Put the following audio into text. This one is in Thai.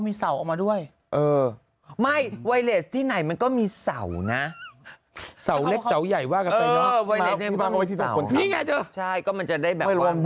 มาลนหมายความมันมาลน